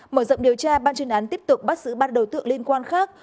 mở rộng điều tra ban chuyên án tiếp tục bắt giữ ban đầu tượng liên quan khác